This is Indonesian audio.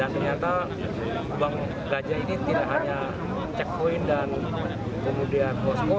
kita bangun gajah ini tidak hanya cek poin dan kemudian posko